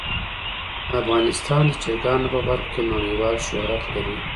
افغانستان د چرګانو په برخه کې نړیوال شهرت لري.